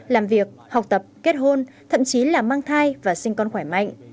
làm việc học tập kết hôn thậm chí là mang thai và sinh con khỏe mạnh